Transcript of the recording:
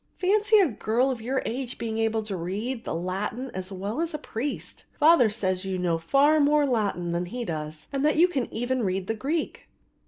Fancy a girl of your age being able to read the Latin as well as a priest. Father says that you know far more Latin than he does and that you can even read the Greek."